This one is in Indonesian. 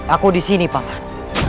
aku disini pak man